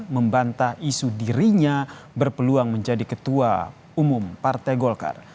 membantah isu dirinya berpeluang menjadi ketua umum partai golkar